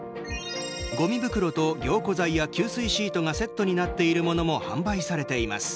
ごみ袋と凝固剤や吸水シートがセットになっているものも販売されています。